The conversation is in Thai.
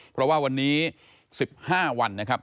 เพราะว่าวันนี้๑๕วันนะครับ